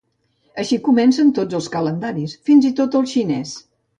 Així comencen tots els calendaris, fins i tot el xinès.